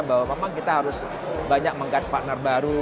bahwa memang kita harus banyak menggait partner baru